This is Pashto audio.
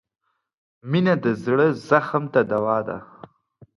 • مینه د زړه زخم ته دوا ده.